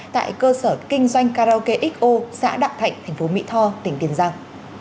tại cơ sở kinh doanh karaoke xo xã đạm thạnh tp mỹ tho tỉnh tiền giang